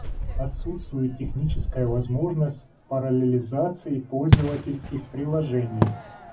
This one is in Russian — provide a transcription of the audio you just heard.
Отсутствует техническая возможность параллелизации пользовательских приложений